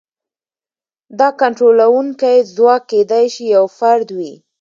دا کنټرولونکی ځواک کېدای شي یو فرد وي.